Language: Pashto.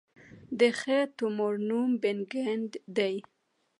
د ښه تومور نوم بېنیګنټ دی.